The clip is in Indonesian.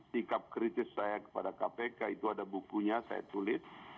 sikap kritis saya kepada kpk itu ada bukunya saya tulis